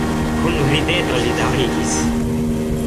Kun rideto li daŭrigis.